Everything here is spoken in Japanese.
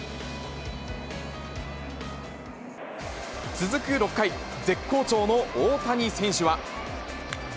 続く６回、絶好調の大谷選手は。